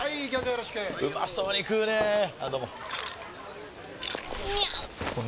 よろしくうまそうに食うねぇあどうもみゃう！！